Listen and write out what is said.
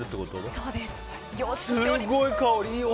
すごい香り！